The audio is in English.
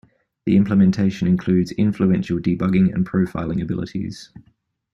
The implementation includes influential debugging and profiling abilities.